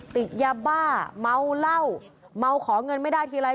ติดยาบ้าเมาเหล้าเมาขอเงินไม่ได้ทีไร